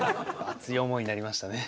熱い思いになりましたね。